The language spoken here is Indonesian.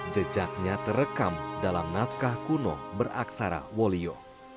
jejaknya terekam dalam naskah kuno beraksara wolio